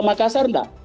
maka saya tidak